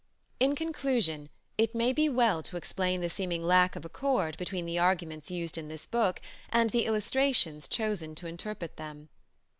In conclusion, it may be well to explain the seeming lack of accord between the arguments used in this book and the illustrations chosen to interpret them.